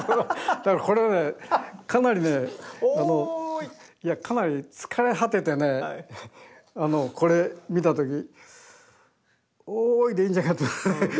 だからこれはねかなりね疲れ果ててねこれ見た時「おーい。」でいいんじゃないかとね。